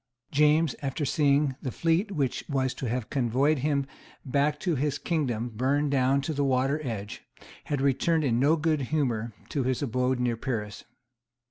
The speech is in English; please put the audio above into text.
James, after seeing the fleet which was to have convoyed him back to his kingdom burned down to the water edge, had returned in no good humour to his abode near Paris.